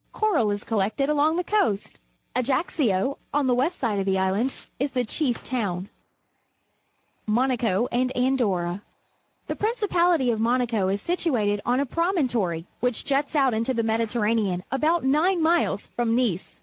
Coral is collected along the coast. Ajaccio, on the west side of the island, is the chief towni. Monaco and Andorra. — The principality of Monaco is situated on a promontory, which juts out into the ^Mediterranean about nine miles from Nice.